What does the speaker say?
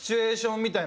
みたいな。